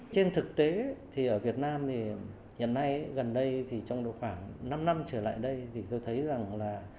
trên thực tế thì ở việt nam thì hiện nay gần đây thì trong khoảng năm năm trở lại đây thì tôi thấy rằng là